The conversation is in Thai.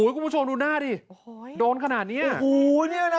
คุณผู้ชมดูหน้าดิโอ้โหโดนขนาดเนี้ยโอ้โหเนี้ยนะ